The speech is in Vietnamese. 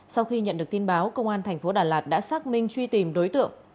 sau khi nhận được tin báo công an thành phố đà lạt đã xác minh truy tìm đối tượng